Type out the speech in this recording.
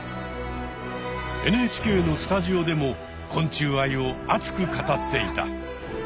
ＮＨＫのスタジオでも昆虫愛を熱く語っていた。